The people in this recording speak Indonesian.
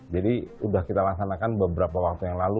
jadi sudah kita laksanakan beberapa waktu yang lalu